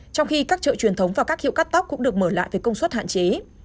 trong khi các chợ truyền thống và các hiệu cắt tóc cũng được mở lại với công suất hạn chế